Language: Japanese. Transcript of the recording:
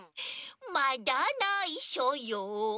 まだないしょよ